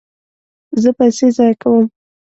زه پیسې ضایع کوم